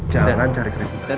jangan cari keributan